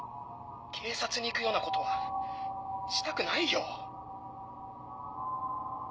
警察に行くようなことはしたくないよ。